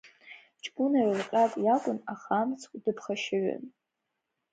Ҷкәына еилҟьак иакәын, аха амцхә дыԥхашьаҩын.